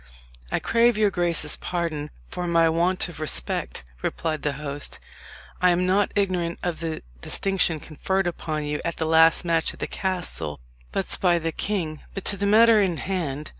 "I crave your grace's pardon for my want of respect," replied the host. "I am not ignorant of the distinction conferred upon you at the last match at the castle butts by the king. But to the matter in hand.